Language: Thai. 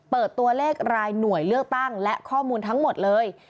ตัวเลขรายหน่วยเลือกตั้งและข้อมูลทั้งหมดเลย